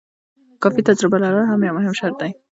کافي تجربه لرل هم یو مهم شرط دی.